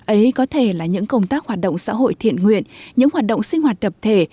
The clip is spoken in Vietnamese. ấy có thể là những công tác hoạt động xã hội thiện nguyện những hoạt động sinh hoạt tập thể